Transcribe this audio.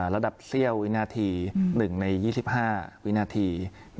ระดับเสี้ยววินาที๑ใน๒๕วินาที